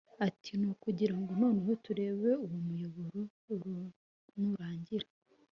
Ati “Ni ukugira ngo noneho turebe uwo muyoboro nurangira